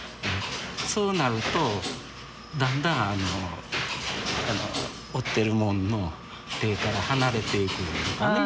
そうなるとだんだん織ってるもんの手から離れていくいうかね。